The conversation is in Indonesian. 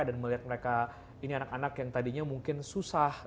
dan melihat mereka ini anak anak yang tadinya mungkin susah